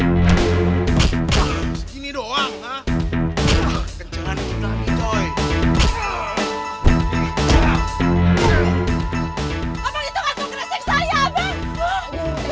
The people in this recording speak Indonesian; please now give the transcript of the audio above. gue mau cari kualitas teman saya dulu